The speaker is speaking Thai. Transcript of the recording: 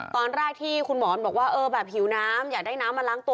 ตอนแรกที่คุณหมอนบอกว่าเออแบบหิวน้ำอยากได้น้ำมาล้างตัว